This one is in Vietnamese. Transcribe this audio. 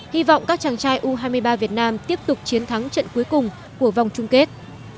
hy vọng các chàng trai u hai mươi ba việt nam tiếp tục chiến thắng trận cuối cùng của vòng chung kết